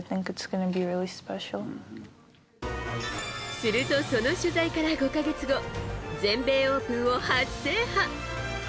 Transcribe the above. すると、その取材から５か月後全米オープンを初制覇。